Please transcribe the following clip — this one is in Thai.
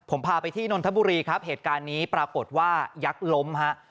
ผมพาไปที่นนทบุรีครับเหตุการณ์นี้ปรากฏว่ายักษ์ล้มฮะ